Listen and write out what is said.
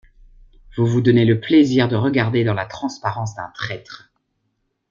Vous vous donnez le plaisir de regarder dans la transparence d’un traître.